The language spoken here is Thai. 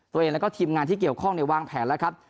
ตัวเองแล้วก็ทีมงานที่เกี่ยวข้องวางแผนแล้วครับ